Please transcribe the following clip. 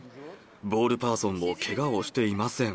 ボールパーソンもけがをしていません。